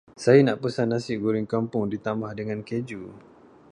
Saya nak pesan Nasi goreng kampung ditambah dengan keju.